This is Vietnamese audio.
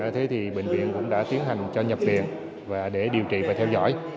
thế thì bệnh viện cũng đã tiến hành cho nhập viện và để điều trị và theo dõi